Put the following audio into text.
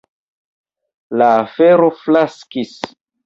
La afero fiaskis.